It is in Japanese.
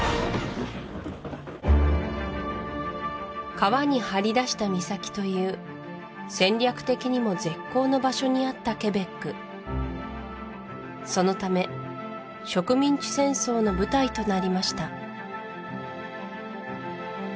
川に張り出した岬という戦略的にも絶好の場所にあったケベックそのため植民地戦争の舞台となりました